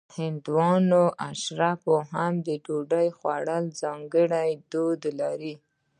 هندو اشرافو هم د ډوډۍ خوړلو ځانګړي دودونه لرل.